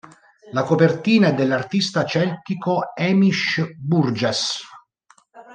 La copertina è dell'artista celtico Hamish Burgess.